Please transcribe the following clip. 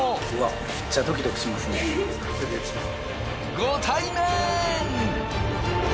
ご対面！